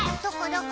どこ？